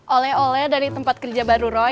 ole ole dari tempat kerja baru roy